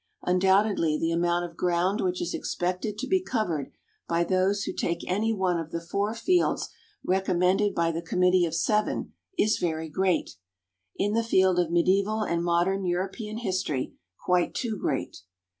Undoubtedly the amount of ground which is expected to be covered by those who take any one of the four fields recommended by the Committee of Seven is very great, in the field of medieval and modern European history quite too great.